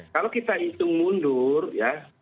kalau kita hitung mundur ya